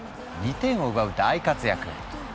２点を奪う大活躍！